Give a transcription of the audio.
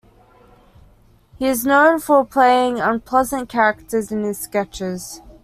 He is known for playing unpleasant characters in his sketches.